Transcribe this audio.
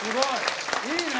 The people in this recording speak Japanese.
いいね！